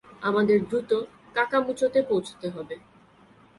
আমাদের দ্রুত কাকামুচোতে পৌঁছতে হবে!